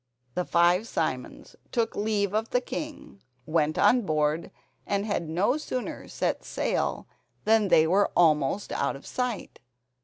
The five Simons took leave of the king, went on board, and had no sooner set sail than they were almost out of sight.